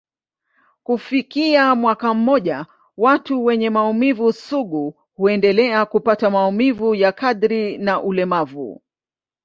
Kufikia mwaka mmoja, watu wenye maumivu sugu huendelea kupata maumivu ya kadri na ulemavu.